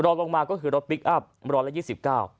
รถลงมาก็คือรถปิ๊กอัพรถละ๒๙